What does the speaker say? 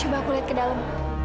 coba aku lihat ke dalam